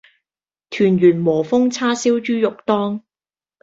圑圓和風叉燒豬肉丼